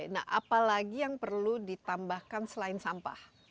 nah apalagi yang perlu ditambahkan selain sampah